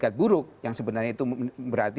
ada etika buruk yang sebenarnya itu berarti